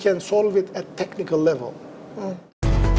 kami bisa menangani masalah teknis